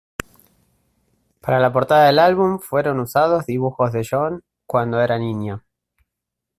Para la portada del álbum fueron usados dibujos de John cuando era niño.